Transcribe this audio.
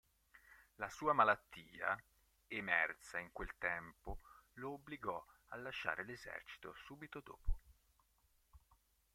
La sua malattia, emersa in quel tempo, lo obbligò a lasciare l'esercito subito dopo.